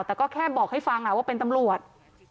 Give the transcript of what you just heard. แต่ก็แค่บอกให้ฟังว่าเป็นตำรวจ